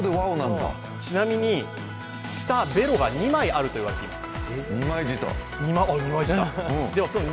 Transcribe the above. ちなみにベロが２枚あるといわれています。